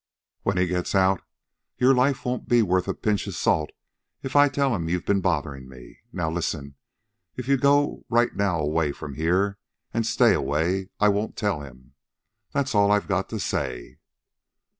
When he gets out your life won't be worth a pinch of salt if I tell him you've been bothering me. Now listen. If you go right now away from here, and stay away, I won't tell him. That's all I've got to say."